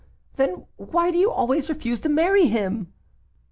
then, why do you always refuse to marry him?